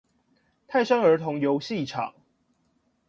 泰山兒童遊戲場